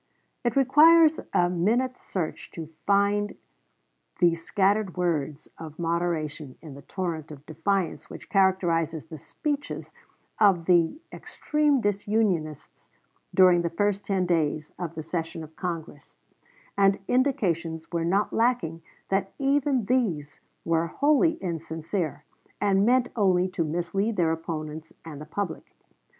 It requires a minute search to find these scattered words of moderation in the torrent of defiance which characterized the speeches of the extreme disunionists during the first ten days of the session of Congress, and indications were not lacking that even these were wholly insincere, and meant only to mislead their opponents and the public.